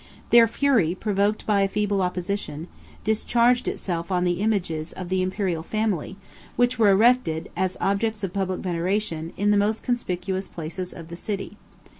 Their fury, provoked by a feeble opposition, discharged itself on the images of the Imperial family, which were erected, as objects of public veneration, in the most conspicuous places of the city.